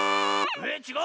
えっちがう？